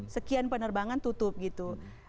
sekian penerbangan tutup gitu